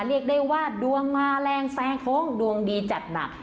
เรียกได้ว่าดวงมาแรงแซงโค้งดวงดีจัดหนัก